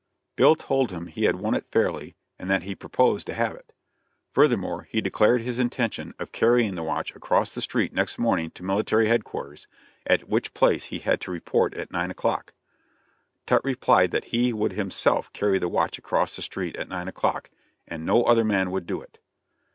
Bill told him he had won it fairly, and that he proposed to have it; furthermore, he declared his intention of carrying the watch across the street next morning to military headquarters, at which place he had to report at nine o'clock. Tutt replied that he would himself carry the watch across the street at nine o'clock, and no other man would do it.